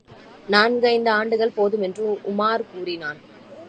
நான்கைந்து ஆண்டுகள் போதுமென்று உமார் கூறினான்.